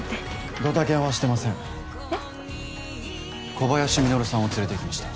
小林実さんを連れていきました。